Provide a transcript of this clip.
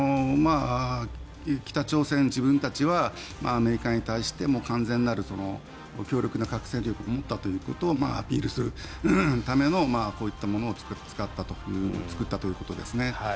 北朝鮮、自分たちはアメリカに対して完全なる強力な核戦力を持ったということをアピールするためのこういったものを作ったということですね。